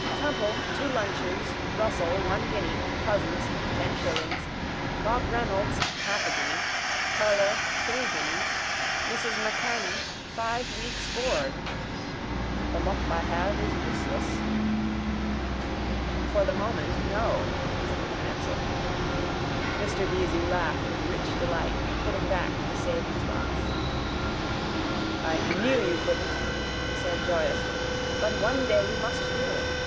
Temple, two lunches. Russell, one guinea, Cousins, ten shillings, Bob Reynolds, half a guinea, Koehler, three guineas, Mrs MacKernan, five weeks' board. The lump I have is useless. —For the moment, no, Stephen answered. Mr Deasy laughed with rich delight, putting back his savingsbox. —I knew you couldn't, he said joyously. But one day you must feel it.